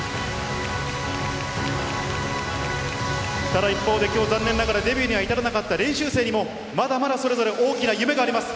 ただ一方で、きょう、残念ながらデビューには至らなかった練習生にも、まだまだそれぞれ大きな夢があります。